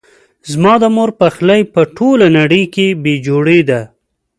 زما د مور پخلی په ټوله نړۍ کې بي جوړي ده